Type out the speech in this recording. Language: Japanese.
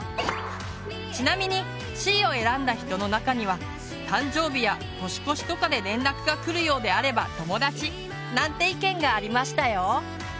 ちなみにＣを選んだ人の中には「誕生日や年越しとかで連絡がくるようであれば友達」なんて意見がありましたよ。